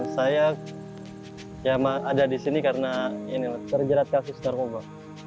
saya ada di sini karena terjerat kasus narkoba